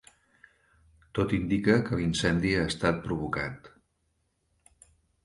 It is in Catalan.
Tot indica que l'incendi ha estat provocat